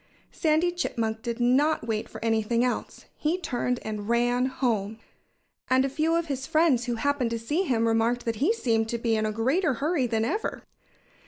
Sandy Chipmunk did not wait for anything else. He turned and ran home. And a few of his friends who happened to see him remarked that he seemed to be in a greater hurry than ever.